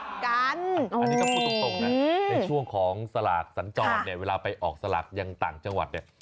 พูดตรงนะในช่วงของสลากสัญจรเวลาไปออกสลากยังต่างจังหวัดเนี่ย